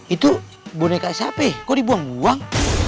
itu boneka sape kok dibuang buang